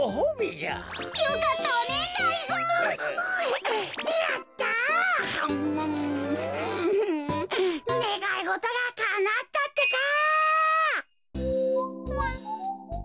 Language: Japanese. ねがいごとがかなったってか！